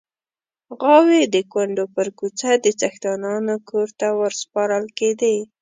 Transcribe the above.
غواوې د کونډو پر کوڅه د څښتنانو کور ته ورسپارل کېدې.